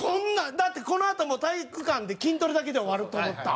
だってこのあともう体育館で筋トレだけで終わると思ったら。